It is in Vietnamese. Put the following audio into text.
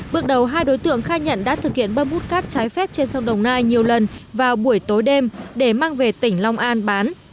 bước đầu hai đối tượng khai nhận đã thực hiện bơm hút cát trái phép trên sông đồng nai nhiều lần vào buổi tối đêm để mang về tỉnh long an bán